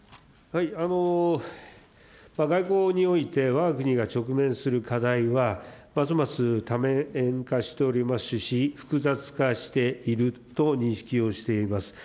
外交において、わが国が直面する課題は、ますます多面化しておりますし、複雑化していると認識をしています。